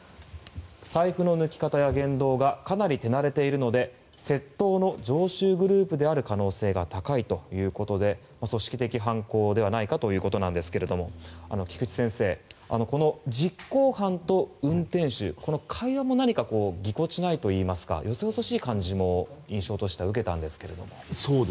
財布の抜き方や言動がかなり手慣れているので窃盗の常習グループである可能性が高いということで組織的犯行ではないかということなんですが菊地先生、実行犯と運転手この会話もぎこちないといいますかよそよそしい感じも印象としては受けたんですが。